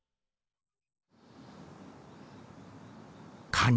カニ